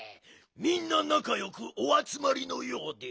みんななかよくおあつまりのようで。